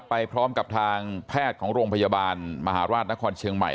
ไปพร้อมกับทางแพทย์ของโรงพยาบาลมหาราชนครเชียงใหม่